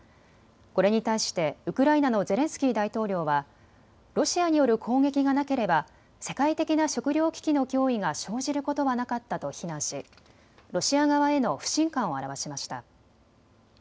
これに対してウクライナのゼレンスキー大統領はロシアによる攻撃がなければ世界的な食料危機の脅威が生じることはなかったと非難しロシア側への不信感を表しました。